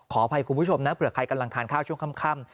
อภัยคุณผู้ชมนะเผื่อใครกำลังทานข้าวช่วงค่ำ